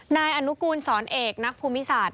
นายอนุกูลสอนเอกนักภูมิศาสต